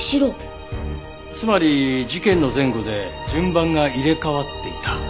つまり事件の前後で順番が入れ替わっていた。